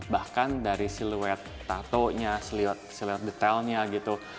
bahkan dari siluet tattoo nya siluet detailnya gitu